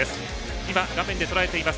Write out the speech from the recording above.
今、画面でとらえています